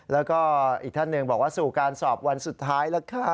แล้วก็อีกท่านหนึ่งบอกว่าสู่การสอบวันสุดท้ายแล้วค่ะ